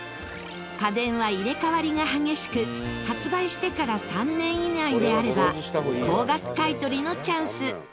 家電は入れ替わりが激しく発売してから３年以内であれば高額買取のチャンス。